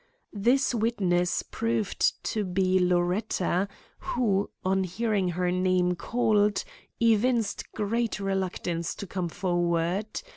This witness proved to be Loretta, who, on hearing her name called, evinced great reluctance to come forward.